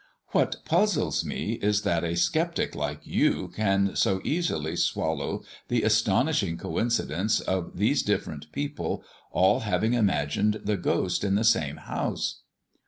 "What puzzles me is that a sceptic like you can so easily swallow the astonishing coincidence of these different people all having imagined the ghost in the same house."